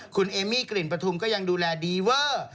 คุณเอมี่กลิ่นประทุมก็ยังดูแลดีเวอร์